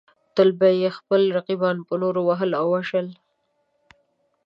تل به یې خپل رقیبان په نورو وهل او وژل.